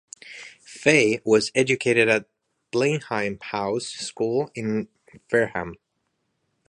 Fay was educated at Blenheim House school in Fareham.